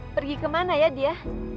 pergi kemana ya dia